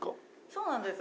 そうなんです。